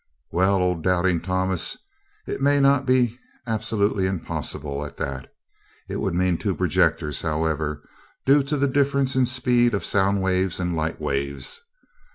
"Well, old Doubting Thomas, it might not be absolutely impossible, at that. It would mean two projectors, however, due to the difference in speed of sound waves and light waves.